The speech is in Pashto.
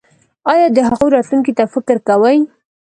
ایا د هغوی راتلونکي ته فکر کوئ؟